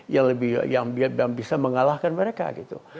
yang lebih yang bisa mengalahkan mereka gitu